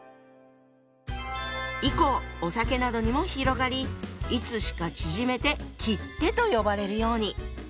以降お酒などにも広がりいつしか縮めて「切手」と呼ばれるように。